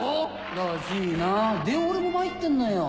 らしいなで俺も参ってんのよ。